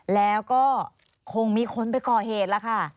แล้วก็คงมีคนไปก่อเหตุแล้วค่ะ